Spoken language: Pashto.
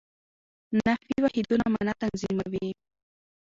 نحوي واحدونه مانا تنظیموي.